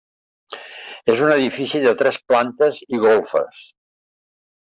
És un edifici de tres plantes i golfes.